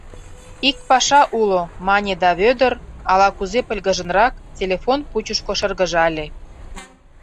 — Ик паша уло, — мане да Вӧдыр, ала-кузе пыльгыжынрак, телефон пучышко шыргыжале.